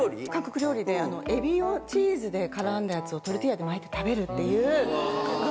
エビをチーズで絡めたやつをトルティーヤで巻いて食べるっていう。